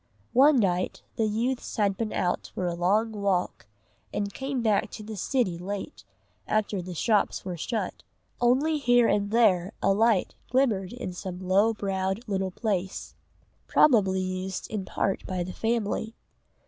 One night the youths had been out for a long walk and came back to the city late, after the shops were shut. Only here and there a light glimmered in some low browed little place, probably used in part by the family.